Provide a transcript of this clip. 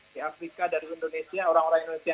dari afrika dari indonesia